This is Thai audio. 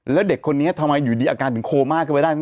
แล้วเด็กคนนี้ทำไมอยู่ดีอาการถึงโคม่าขึ้นไปได้